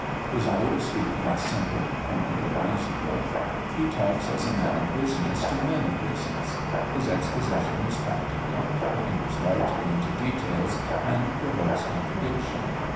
His mode of speaking is simple, pointed, and reasonable. He talks as a man of business to men of business; his exposition is practical; he enters largely into details, and provokes contradiction.